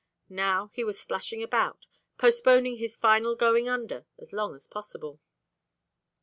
Now he was splashing about, postponing his final going under as long as possible.